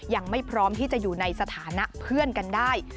ยังไม่พร้อมที่จะอยู่ในสถานะเพื่อนกันได้